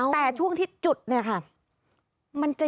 แต่ช่วงที่จุดเนี่ยค่ะ